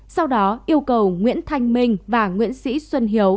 sau đó yêu cầu nguyễn thanh minh và nguyễn sĩ xuân hiếu